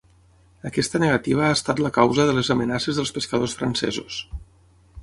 Aquesta negativa ha estat la causa de les amenaces dels pescadors francesos.